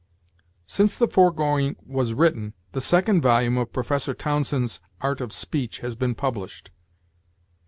Since the foregoing was written, the second volume of Professor Townsend's "Art of Speech" has been published.